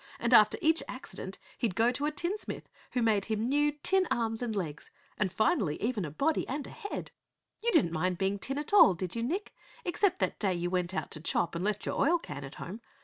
And after each accident he'd go to a tinsmith who made him new tin arms and legs and finally even a body and a head. You didn't mind being Tin at all, did you, Nick? Except that day you went out to chop wood and left your oil can at home.